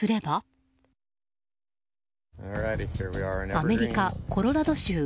アメリカ・コロラド州。